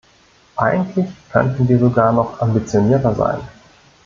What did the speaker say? Eigentlich könnten wir sogar noch ambitionierter sein.